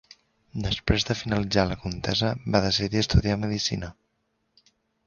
Després de finalitzar la contesa va decidir estudiar Medicina.